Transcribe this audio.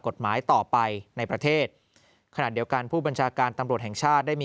กฎหมายต่อไปในประเทศขณะเดียวกันผู้บัญชาการตำรวจแห่งชาติได้มี